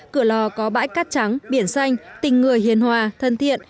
cửa lò có bãi cát trắng biển xanh tình người hiền hòa thân thiện